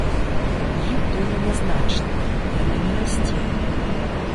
Іх доля нязначная, яна не расце.